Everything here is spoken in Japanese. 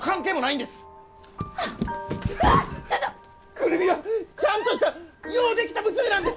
久留美はちゃんとしたようできた娘なんです！